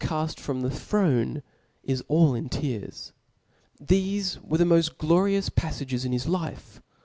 caft from the throne, is all in, tears. . ThcTcrwprethe moft glorious paflages in his life